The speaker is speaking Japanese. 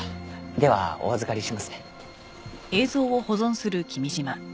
ではお預かりしますね。